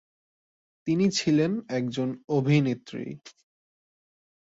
তিনি ছিলেন একজন অভিনেত্রী।